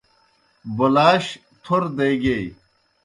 بوْلاش تھور دے گیئی۔